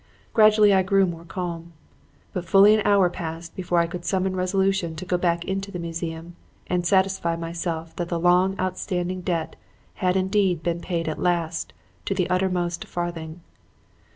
Gradually I grew more calm. But fully an hour passed before I could summon resolution to go back into the museum and satisfy myself that the long outstanding debt had indeed been paid at last to the uttermost farthing.